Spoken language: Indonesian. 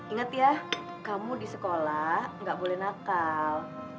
ingat ya kamu di sekolah nggak boleh nakal